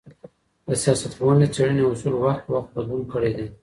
د سياست پوهني د څېړني اصولو وخت په وخت بدلون کړی دی.